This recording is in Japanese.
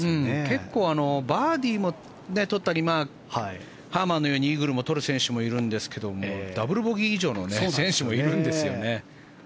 結構バーディーも取ったりハーマンのようにイーグルを取る選手もいるんですがダブルボギー以上の選手もいるんですよね。